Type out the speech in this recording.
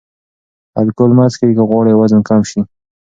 الکول مه څښئ که غواړئ وزن کم شي.